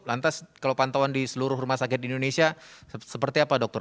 lantas kalau pantauan di seluruh rumah sakit di indonesia seperti apa dokter